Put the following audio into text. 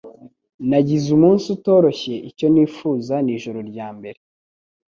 Nagize umunsi utoroshye, icyo nifuza ni ijoro ryambere.